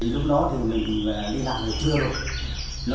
lúc đó thì mình đi làm từ trưa